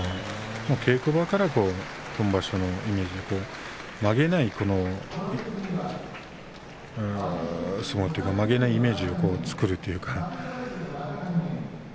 稽古場から本場所のイメージを曲げない相撲曲げないイメージを作るというか。